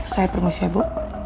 saya permisi ya bu